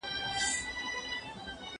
¬ د کمبلي پر يوه سر غم دئ، پر بل ښادي.